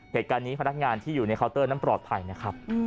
เหตุการณ์นี้พนักงานที่อยู่ในเคาน์เตอร์นั้นปลอดภัยนะครับ